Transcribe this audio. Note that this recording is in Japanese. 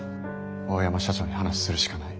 大山社長に話するしかない。